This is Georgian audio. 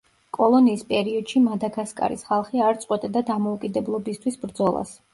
კოლონიის პერიოდში მადაგასკარის ხალხი არ წყვეტდა დამოუკიდებლობისთვის ბრძოლას.